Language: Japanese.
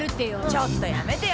ちょっとやめてよ。